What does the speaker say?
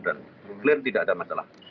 dan clear tidak ada masalah